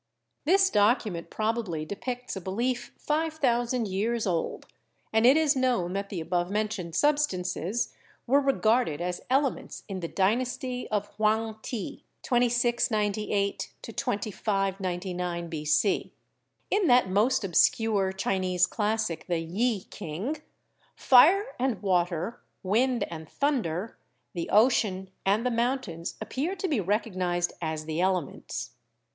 This document probably depicts a belief five thou sand years old and it is known that the above mentioned substances were regarded as elements in the dynasty of Hoang Ti (2698 2599 B.C.). In that most obscure Chinese classic, the 'Yi King,' fire and water, wind and thunder, the ocean and the mountains, appear to be recognised as the elements.